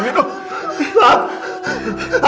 nong itu papa aku buta pa